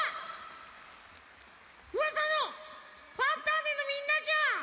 うわさの「ファンターネ！」のみんなじゃん！